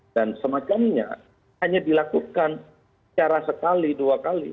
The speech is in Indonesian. dan semacamnya hanya dilakukan secara sekali dua kali